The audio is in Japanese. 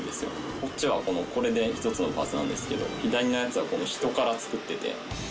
こっちはこれで一つのパーツなんですけど左のやつはこの人から作ってて。